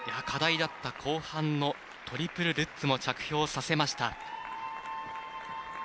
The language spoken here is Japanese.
課題だった後半のトリプルルッツも着氷させました。